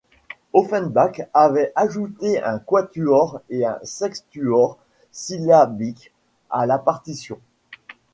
Offenbach avait ajouté un quatuor et un sextuor syllabique à la partition.